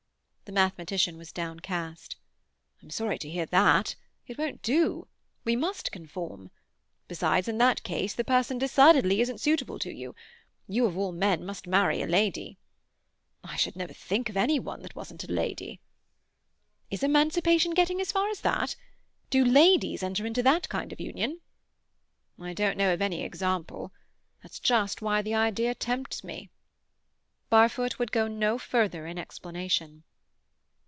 The mathematician was downcast. "I'm sorry to hear that. It won't do. We must conform. Besides, in that case the person decidedly isn't suitable to you. You of all men must marry a lady." "I should never think of any one that wasn't a lady." "Is emancipation getting as far as that? Do ladies enter into that kind of union?" "I don't know of any example. That's just why the idea tempts me." Barfoot would go no further in explanation.